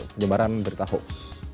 penyebaran berita hoax